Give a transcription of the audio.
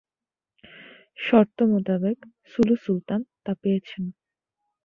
শর্ত মোতাবেক সুলু সুলতান তা পেয়েছেনও।